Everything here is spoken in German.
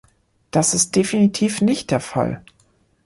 Das ist definitiv nicht der Fall!